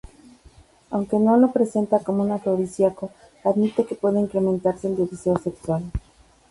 Aunque "no lo presenta como un afrodisíaco", admite que puede incrementarse el deseo sexual.